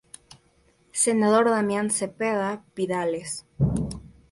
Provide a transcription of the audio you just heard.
Senador Damián Zepeda Vidales.